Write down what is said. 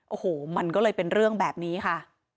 โอ้โหมันก็เลยเป็นเรื่องแบบนี้ค่ะ